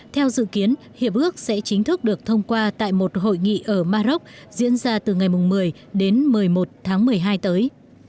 theo dự kiến hiệp ước sẽ chính thức được thông qua tại một hội nghị ở maroc diễn ra từ ngày một mươi đến một mươi một tháng một mươi hai tới